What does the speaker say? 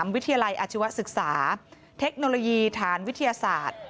วิทยาลัยอาชีวศึกษาเทคโนโลยีฐานวิทยาศาสตร์